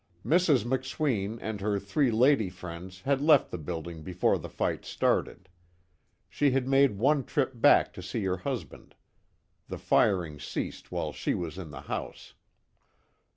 Mrs. McSween and her three lady friends had left the building before the fight started. She had made one trip back to see her husband. The firing ceased while she was in the house.